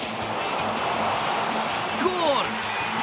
ゴール！